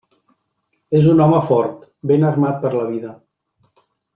És un home fort, ben armat per a la vida.